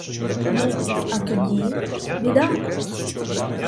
Ну, а тоді — біда!